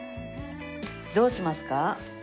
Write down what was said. どうしますか？